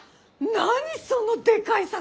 何そのでかい魚。